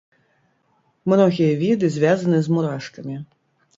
Многія віды звязаны з мурашкамі.